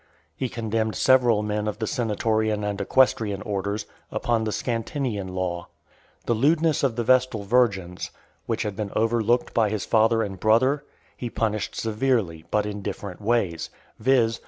He condemned several men of the senatorian and equestrian orders, upon the Scantinian law . The lewdness of the Vestal Virgins, which had been overlooked by his father and brother, he punished severely, but in different ways; viz.